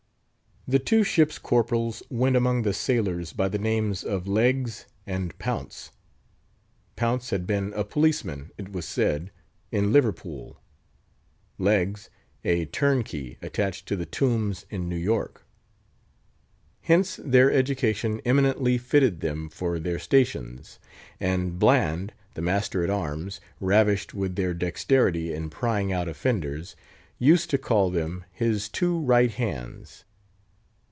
The two ship's corporals went among the sailors by the names of Leggs and Pounce; Pounce had been a policeman, it was said, in Liverpool; Leggs, a turnkey attached to "The Tombs" in New York. Hence their education eminently fitted them for their stations; and Bland, the master at arms, ravished with their dexterity in prying out offenders, used to call them his two right hands.